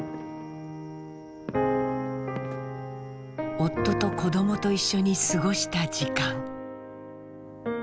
夫と子どもと一緒に過ごした時間。